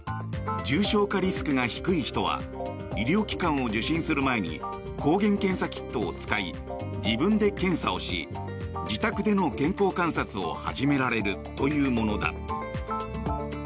重症化リスクが低い人は医療機関を受診する前に抗原検査キットを使い自分で検査をし自宅での健康観察を始められるというものだ。